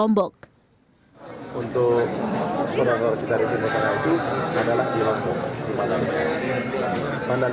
untuk seorang orang kita rejimnya sekarang itu adalah di lombok di mandalay